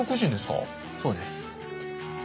そうです。